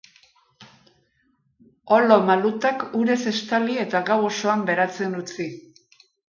Olo malutak urez estali eta gau osoan beratzen utzi.